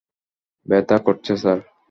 ব্যাথা করছে, স্যার।